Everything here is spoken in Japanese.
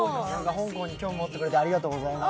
香港に興味持ってくれて、ありがとうございます。